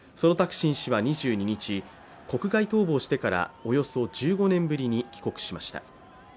そのタクシン氏は２２日国外逃亡してからおよそ１５年ぶりに帰国しました。